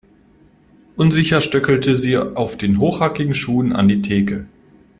Unsicher stöckelte sie auf den hochhackigen Schuhen an die Theke.